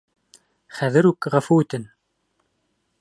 Хәҙер үк ғәфү үтен!